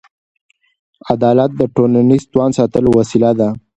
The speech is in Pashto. عدالت د ټولنیز توازن ساتلو وسیله ده.